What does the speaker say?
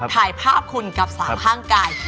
ถ่ายภาพคุณกับ๓ข้างกาย